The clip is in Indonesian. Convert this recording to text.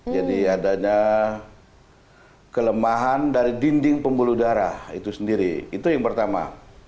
jadi adanya kelemahan dari dinding pembuluh darah itu sendiri itu yang pertama